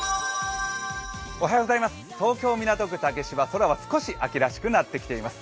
東京・港区竹芝、空は少し秋らしくなってきています。